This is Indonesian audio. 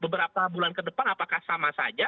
beberapa bulan ke depan apakah sama saja